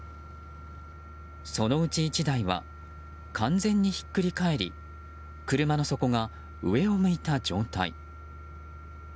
そのうち１台は完全にひっくり返り車の底が上を向いた状態。